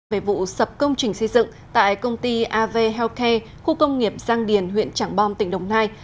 về vụ sập công trình xây dựng tại công ty av healthcare khu công nghiệp giang điền huyện trảng bom tỉnh đồng nai